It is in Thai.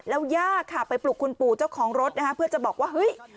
แล้วย่าค่ะไปปลุกคุณปู่เจ้าของรถนะคะเพื่อจะบอกว่าเฮ้ย